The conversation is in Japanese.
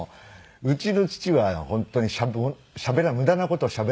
うちの父は本当に無駄な事をしゃべらない。